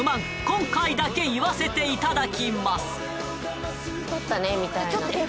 今回だけ言わせていただきますえ